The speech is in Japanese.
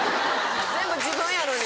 全部自分やのに。